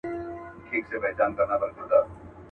زه چي قدم پر قدم ږدم تا یادومه.